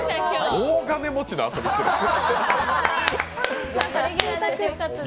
大金持ちの遊び、してるで。